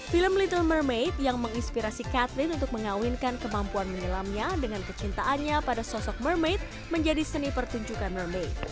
film little mermaid yang menginspirasi catheline untuk mengawinkan kemampuan menyelamnya dengan kecintaannya pada sosok mermaid menjadi seni pertunjukan mermai